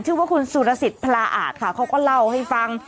ชื่อว่าคุณสุรสิทธิพลาอาจค่ะเขาก็เล่าให้ฟัง